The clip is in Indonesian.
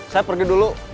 saya pergi dulu